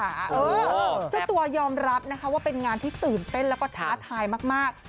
เจ้าตัวยอมรับนะคะว่าเป็นงานที่ตื่นเต้นแล้วก็ท้าทายมาก